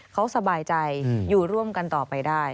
เขาสบายใจอยู่ร่วมกันต่อไปได้